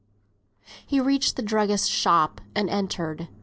He reached a druggist's shop, and entered.